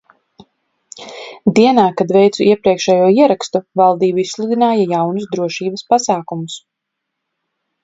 Dienā, kad veicu iepriekšējo ierakstu, valdība izsludināja jaunus drošības pasākumus.